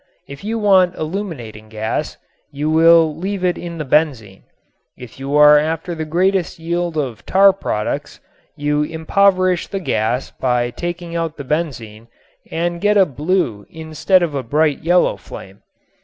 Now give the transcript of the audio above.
If you want illuminating gas you will leave in it the benzene. If you are after the greatest yield of tar products, you impoverish the gas by taking out the benzene and get a blue instead of a bright yellow flame.